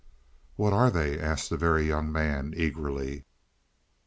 "What are they?" asked the Very Young Man eagerly.